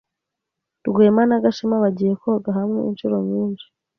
Rwema na Gashema bagiye koga hamwe inshuro nyinshi.